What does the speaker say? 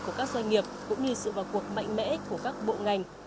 cơ hội của các doanh nghiệp cũng như sự vào cuộc mạnh mẽ của các bộ ngành